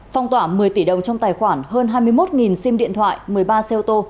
phong tỏa một mươi tỷ đồng trong tài khoản hơn hai mươi một sim điện thoại một mươi ba xe ô tô